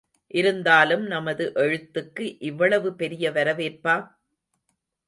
இருந்தாலும், நமது எழுத்துக்கு இவ்வளவு பெரிய வரவேற்பா?